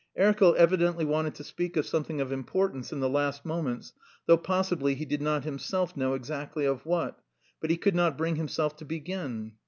Erkel evidently wanted to speak of something of importance in the last moments, though possibly he did not himself know exactly of what, but he could not bring himself to begin!